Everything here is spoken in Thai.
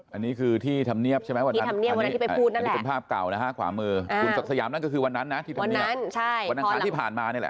อันนี้คือที่ทำเนียบใช่ไหมอันนี้เป็นภาพเก่านะฮะขวามือคุณศักดิ์สยามนั่นคือวันนั้นนะวันนั้นที่ผ่านมานี่แหละ